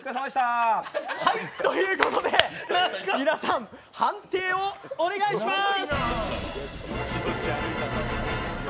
ということで、皆さん判定をお願いします。